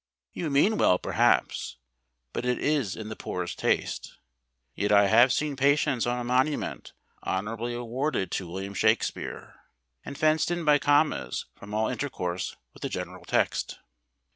You mean well, perhaps, but it is in the poorest taste. Yet I have seen Patience on a Monument honourably awarded to William Shakespeare, and fenced in by commas from all intercourse with the general text.